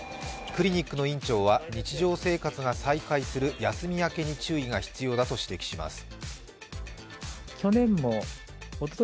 クリニックの院長は日常生活が再開する休み明けに注意が必要だと指摘します。